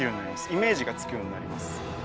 イメージがつくようになります。